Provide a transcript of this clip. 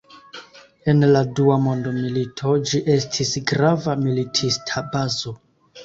En la dua mondmilito, ĝi estis grava militista bazo.